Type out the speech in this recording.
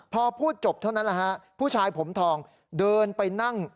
พอพูดจบเท่านั้นแหละฮะผู้ชายผมทองเดินไปนั่ง